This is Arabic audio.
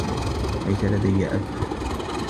ليس لديّ أب.